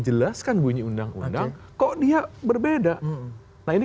didalami oleh tempo nah ini